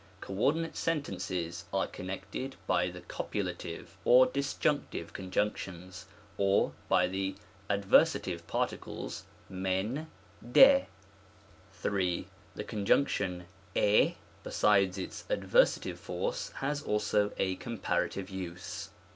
Coordinate sentences are connected by the copu lative or disjunctive conjunctions, or by the adversa tive particles, /usv — dL 204 PARTIOLES. §142. 3. The conjunction ij, besides its adversative force, has also a comparative use.